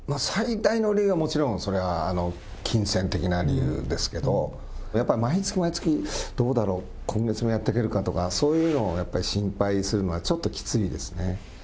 最大の理由はもちろん、そりゃ、金銭的な理由ですけど、やっぱ毎月毎月、どうだろう、今月もやってけるかとか、そういうのをやっぱり心配するのはちょっときついですね。